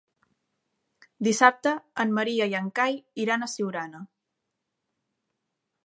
Dissabte en Maria i en Cai iran a Siurana.